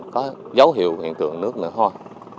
có dấu hiệu hình thường nước nữa thôi